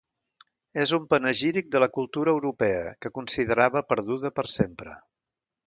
És un panegíric de la cultura europea, que considerava perduda per sempre.